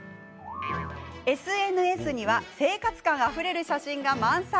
ＳＮＳには生活感あふれる写真が満載。